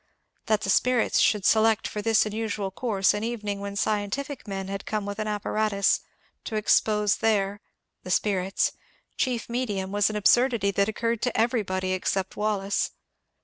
" That the " spirits " should select for this unusual course an evening when scientific men had come with an apparatus to expose their (the spirits') chief " medium " was an absurdity that occurred to everybody except Wallace.